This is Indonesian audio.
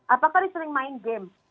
apakah disering main game